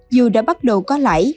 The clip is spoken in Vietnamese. dù đã bắt đầu có lãi